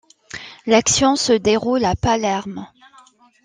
L'action se déroule à Palerme.